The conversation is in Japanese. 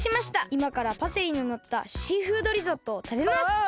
いまからパセリののったシーフードリゾットをたべます！